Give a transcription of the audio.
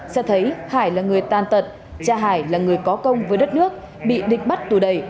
xét thấy hải là người tan tật cha hải là người có công với đất nước bị địch bắt tù đầy